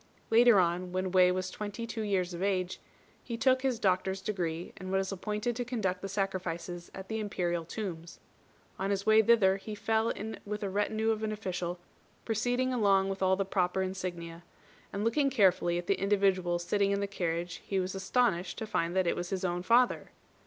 Later on, when Wei was twenty two years of age, he took his doctor's degree, and was appointed to conduct the sacrifices at the Imperial tombs. On his way thither he fell in with a retinue of an official, proceeding along with all the proper insignia, and, looking carefully at the individual sitting in the carriage, he was astonished to find that it was his own father.